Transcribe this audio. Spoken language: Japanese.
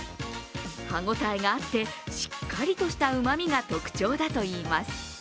歯ごたえがあって、しっかりとしたうまみが特徴だといいます。